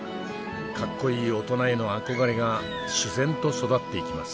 格好いい大人への憧れが自然と育っていきます。